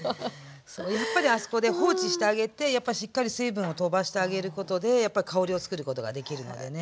そうやっぱりあそこで放置してあげてやっぱしっかり水分を飛ばしてあげることでやっぱ香りをつくることができるのでね。